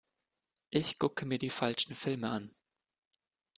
Ich gucke mir die falschen Filme an.